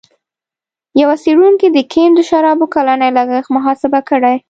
یوه څېړونکي د کیم د شرابو کلنی لګښت محاسبه کړی.